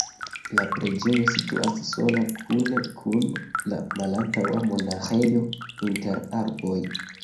La preĝejo situas sola kune kun la malantaŭa monaĥejo inter arboj.